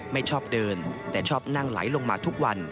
ไม่ชอบเดินแต่ชอบนั่งไหลลงมาทุกวัน